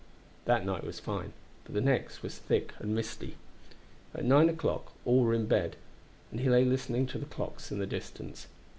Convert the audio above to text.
That night was fine, but the next was thick and misty. At nine o'clock all were in bed, and he lay listening to the clocks in the distance.